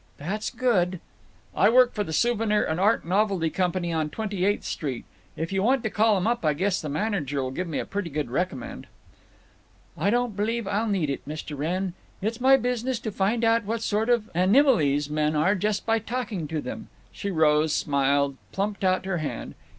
"That's good." "I work for the Souvenir and Art Novelty Company on Twenty eighth Street. If you want to call them up I guess the manager'll give me a pretty good recommend." "I don't believe I'll need it, Mr. Wrenn. It's my business to find out what sort of animiles men are by just talking to them." She rose, smiled, plumped out her hand.